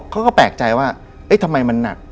เขาก็แปลกใจว่าเอ๊ะทำไมมันหนัก